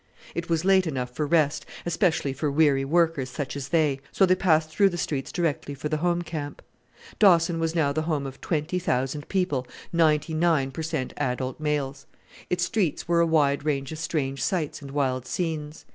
It was late enough for rest, especially for weary workers such as they: so they passed through the streets directly for the home camp. Dawson was now the home of twenty thousand people, ninety nine per cent. adult males. Its streets were a wide range of strange sights and wild scenes.